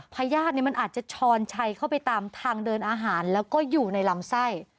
พญาติมันอาจจะช้อนชัยเข้าไปตามทางเดินอาหารแล้วก็อยู่ในลำไส้